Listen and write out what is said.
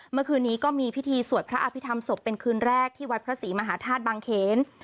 เมื่อคืนนี้ก็มีพิธีสวดพระอภิษฐรรมศพเป็นคืนแรกที่วัดพระศรีมหาธาตุบางเขน